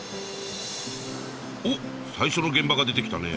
おっ最初の現場が出てきたね。